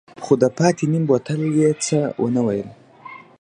خو د پاتې نيم بوتل يې څه ونه ويل.